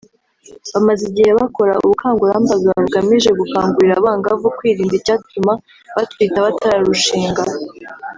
bamaze igihe bakora ubukangurambaga bugamije gukangurira abangavu kwirinda icyatuma batwita batararushinga